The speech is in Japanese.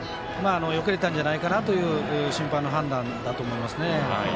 よけれたんじゃないかなという審判の判断だと思いますね。